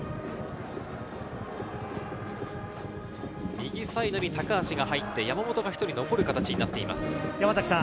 右サイドに高足が入って、山本が１人残る形になっています。